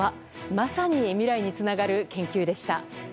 まさに未来につながる研究でした。